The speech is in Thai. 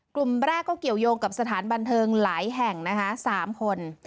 กลุ่มแรกก็เกี่ยวยงกับสถานบันเทิงหลายแห่งนะคะ๓คน